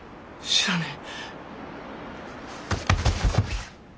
知らねえ！